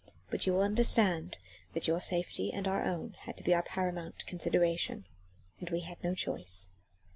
But you will understand that your safety and our own had to be our paramount consideration, and we had no choice."